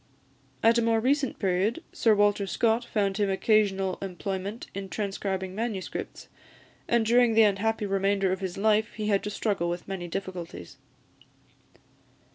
At a more recent period, Sir Walter Scott found him occasional employment in transcribing manuscripts; and during the unhappy remainder of his life he had to struggle with many difficulties.